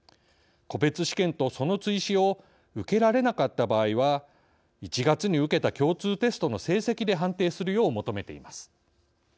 個別試験とその追試を受けられなかった場合は１月に受けた共通テストの成績で判定するよう求めています。